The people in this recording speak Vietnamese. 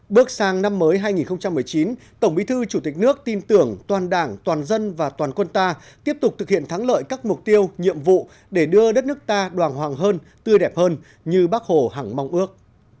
bước sang năm mới hai nghìn một mươi chín tổng bí thư chủ tịch nước tin tưởng toàn đảng toàn dân và toàn quân ta tiếp tục thực hiện thắng lợi các mục tiêu nhiệm vụ để đưa đất nước ta đoàn hoàng hơn tươi đẹp hơn như bác hồ hẳng mong ước